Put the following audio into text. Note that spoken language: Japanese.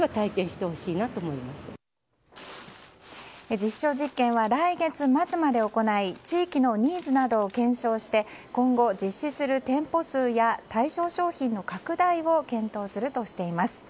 実証実験は来月末まで行い地域のニーズなどを検証して今後、実施する店舗数や対象商品の拡大を検討するとしています。